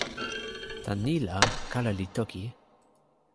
tan ni la, kala li toki: